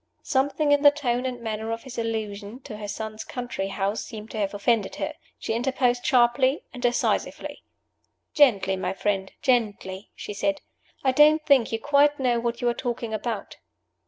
Something in the tone and manner of his allusion to her son's country house seemed to have offended her. She interposed sharply and decisively. "Gently, my friend, gently!" she said. "I don't think you quite know what you are talking about."